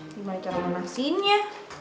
gimana caranya manasinnya